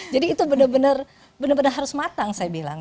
jadi itu benar benar harus matang saya bilang